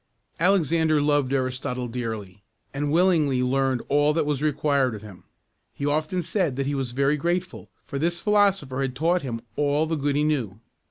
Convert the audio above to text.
Alexander loved Aristotle dearly, and willingly learned all that was required of him. He often said that he was very grateful, for this philosopher had taught him all the good he knew.